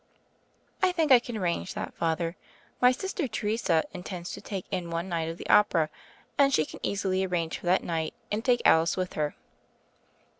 "I think we can arrange that. Father. My sister, Teresa, intends to take in one night of the opera, and she can easily arrange for that night and take Alice with her."